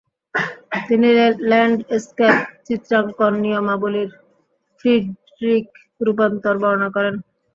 তিনি ল্যান্ডস্কেপ চিত্রাঙ্কন নিয়মাবলীর ফ্রিডরিখ-রূপান্তর বর্ণনা করেন।